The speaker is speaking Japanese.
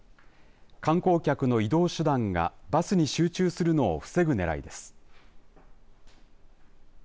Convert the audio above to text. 観光客の移動手段がバスに集中するのを防ぐねらいです。